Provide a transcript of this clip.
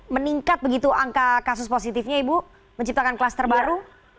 meningkat begitu angka kasus positifnya ibu menciptakan kluster baru